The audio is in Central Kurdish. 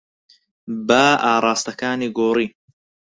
با ئاراستەکانی گۆڕی.